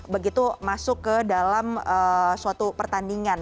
begitu masuk ke dalam suatu pertandingan